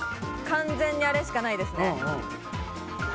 完全にあれしかないですね。